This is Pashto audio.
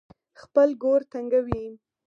خپل ګور تنګوي.